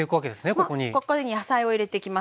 ここに野菜を入れていきます。